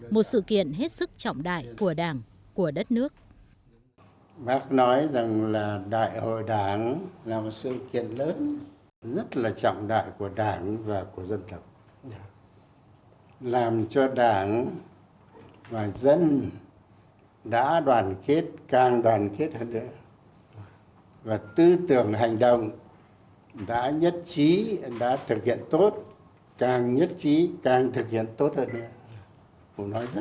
một sự kiện hết sức trọng đại của đảng của đất nước